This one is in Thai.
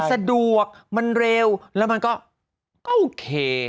สะดวกมันเร็วแล้วมันก็โอเค